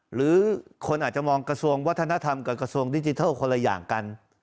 หรือคนอาจจะมองกระทรวงวัฒนธรรมกับกระทรวงดิจิทัลคนละอย่างกัน